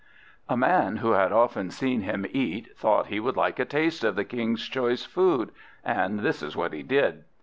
A man who had often seen him eat thought he would like a taste of the King's choice food. And this is what he did.